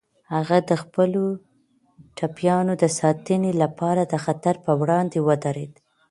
هغه د خپلو ټپيانو د ساتنې لپاره د خطر په وړاندې ودرید.